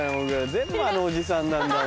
全部あのおじさんなんだから。